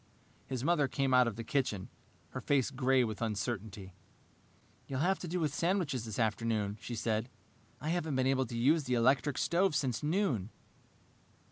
His mother came out of the kitchen, her face gray with uncertainty. "You'll have to do with sandwiches this afternoon," she said. "I haven't been able to use the electric stove since noon."